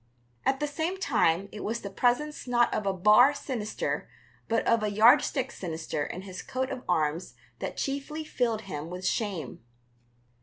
At the same time it was the presence not of a bar sinister but of a yardstick sinister in his coat of arms that chiefly filled him with shame.